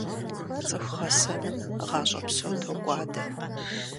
ЦӀыху гъэсэным гъащӀэ псо токӀуадэ.